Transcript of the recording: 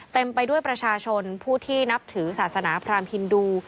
เต็มไปด้วยประชาชนผู้ที่นับถือศาสนาพรามฮินดู